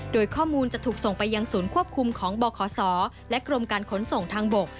โดยข้อมูลจะถูกส่งไปยังศูนย์ควบคุมของบขศและกรมการขนส่งทางบก